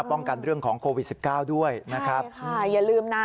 ป้องกันเรื่องของโควิด๑๙ด้วยนะครับใช่ค่ะอย่าลืมนะ